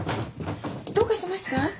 どうかしました？